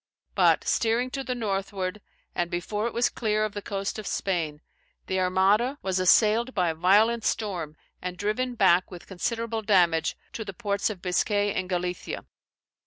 But steering to the northward, and before it was clear of the coast of Spain, the Armada, was assailed by a violent storm, and driven back with considerable damage to the ports of Biscay and Galicia.